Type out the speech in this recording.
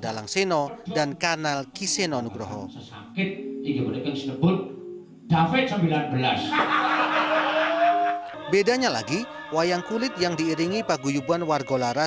dalang seno dan kanal kisenanugroho bedanya lagi wayang kulit yang diiringi paguyubuan wargolaras